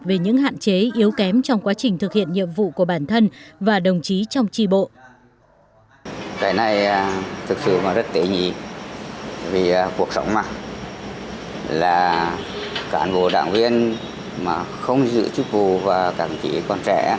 về những hạn chế yếu kém trong quá trình thực hiện nhiệm vụ của bản thân và đồng chí trong tri bộ